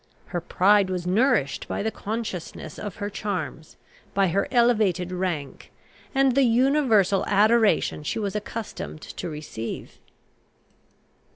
Her pride was nourished by the consciousness of her charms, by her elevated rank, and the universal adoration she was accustomed to receive.